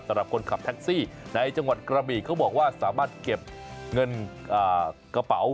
สำหรับคนขับแท็กซี่ในจังหวัดกระบีเขาบอกว่าสามารถเก็บเงินกระเป๋า